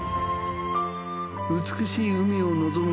美しい海を望む